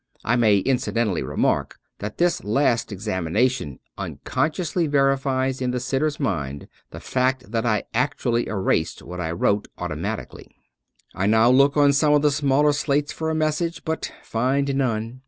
I may incidentally remark that this last examination unconsciously verifies in the sitter's mind the fact that I actually erased what I wrote " automatically." I now look on some of the smaller slates for a message, but find none.